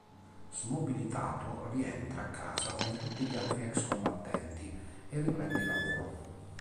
Smobilitato, rientra a casa come tutti gli altri ex combattenti e riprende il lavoro.